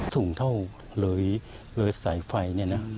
ถุงเท่าเลยสายไฟเนี่ยนะ